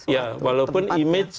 ya walaupun image